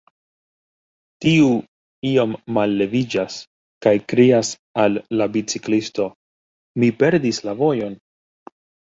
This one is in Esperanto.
Tiu iom malleviĝas, kaj krias al la biciklisto: Mi perdis la vojon.